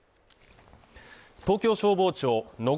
東京消防庁野方